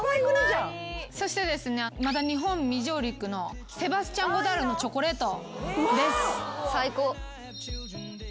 そしてですねまだ日本未上陸のセバスチャン・ゴダールのチョコレートです。